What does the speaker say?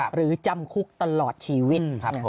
หรือจำคุกตลอดชีวิต